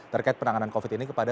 terkait penanganan covid ini kepada